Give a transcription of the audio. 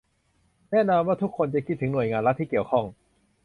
แน่นอนว่าทุกคนจะคิดถึงหน่วยงานรัฐที่เกี่ยวข้อง